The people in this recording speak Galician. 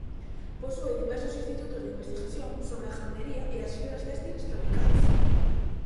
Posúe diversos institutos de investigación sobre a gandería e as fibras téxtiles tropicais.